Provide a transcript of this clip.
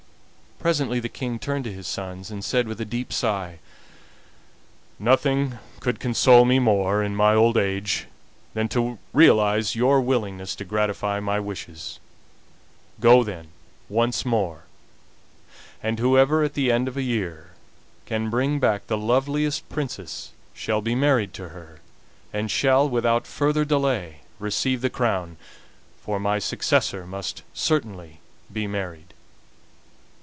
Presently the King turned to his sons, and said, with a deep sigh: "Nothing could console me more in my old age than to realize your willingness to gratify my wishes. Go then once more, and whoever at the end of a year can bring back the loveliest princess shall be married to her, and shall, without further delay, receive the crown, for my successor must certainly be married."